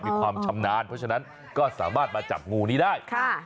มีความชำนาญเพราะฉะนั้นก็สามารถมาจับงูนี้ได้ค่ะ